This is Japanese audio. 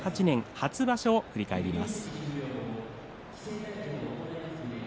初場所を振り返ります。